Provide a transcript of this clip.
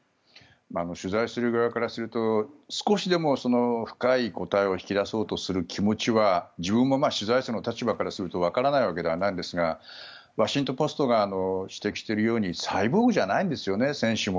取材する側からすると少しでも深い答えを引き出そうとする気持ちは自分も取材者の立場からするとわからないわけではないんですがワシントン・ポストが指摘しているようにサイボーグじゃないんですよね選手も。